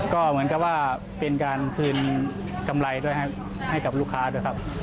ก็เหมือนกับว่าเป็นการคืนกำไรด้วยให้กับลูกค้าด้วยครับ